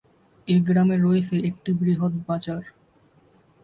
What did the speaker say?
এ গ্রামে রয়েছে একটি বৃহৎ বাজার।